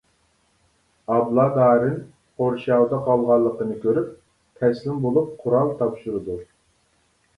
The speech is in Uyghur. ئابلا دارىن قورشاۋدا قالغانلىقىنى كۆرۈپ، تەسلىم بولۇپ قورال تاپشۇرىدۇ.